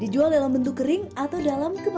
dijual dalam bentuk kering atau dalam bentuk kering